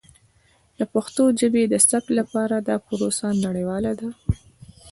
د پښتو ژبې د ثبت لپاره دا پروسه نړیواله ده.